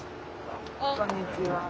こんにちは。